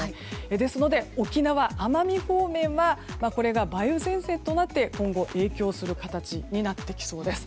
ですので沖縄・奄美方面はこれが梅雨前線となって今後、影響する形になってきそうです。